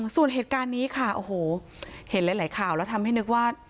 ส่วนเหตุการณ์นี้ค่ะโอ้โหเห็นหลายข่าวแล้วทำให้นึกว่า